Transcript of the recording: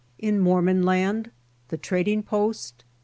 IN MORMON LAND. — THE TRADING POST.